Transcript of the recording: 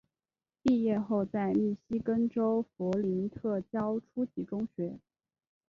毕业后在密西根州弗林特教初级中学。